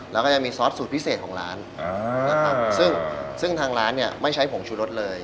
เราก็มีซอสสูตรพิเศษของร้านซึ่งทางร้านเนี่ยไม่ใช้ผงชูรสเลย